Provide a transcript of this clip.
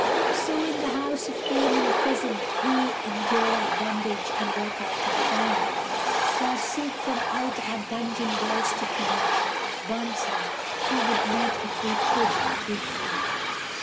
So, in the house of pain imprisoned, we Endure our bondage, and work out our time, Nor seek from out our dungeon walls to climb Bondsmen, who would not, if we could, be free.